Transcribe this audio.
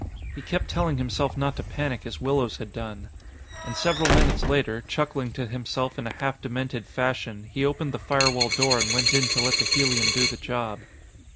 He kept telling himself not to panic as Willows had done. And several minutes later, chuckling to himself in a half demented fashion, he opened the firewall door and went in to let the helium do the job.